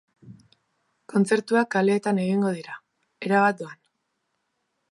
Kontzertuak kaleetan egingo dira, erabat doan.